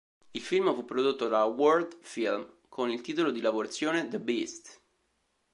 Il film fu prodotto dalla World Film con il titolo di lavorazione "The Beast".